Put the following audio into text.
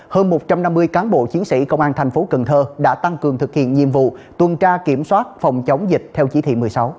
hơn một trăm năm mươi cán bộ chiến sĩ công an thành phố cần thơ đã tăng cường thực hiện nhiệm vụ tuần tra kiểm soát phòng chống dịch theo chỉ thị một mươi sáu